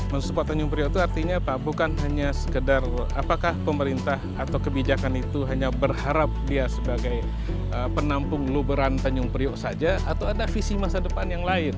mensupport tanjung priok itu artinya apa bukan hanya sekedar apakah pemerintah atau kebijakan itu hanya berharap dia sebagai penampung luberan tanjung priok saja atau ada visi masa depan yang lain